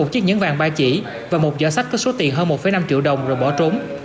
một chiếc nhẫn vàng ba chỉ và một giỏ sách có số tiền hơn một năm triệu đồng rồi bỏ trốn